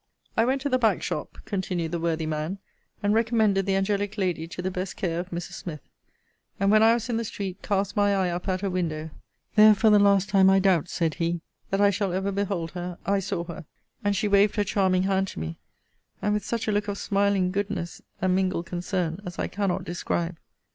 I went to the back shop, continued the worthy man, and recommended the angelic lady to the best care of Mrs. Smith; and, when I was in the street, cast my eye up at her window: there, for the last time, I doubt, said he, that I shall ever behold her, I saw her; and she waved her charming hand to me, and with such a look of smiling goodness, and mingled concern, as I cannot describe.